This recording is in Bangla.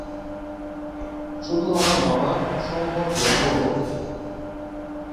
শুধু আমার মামা অসম্ভব গম্ভীর হয়ে পড়লেন।